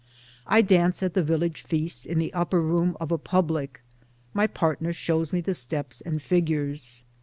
I dance at the village feast in the upper room of a public; my partner shows me the steps and figures.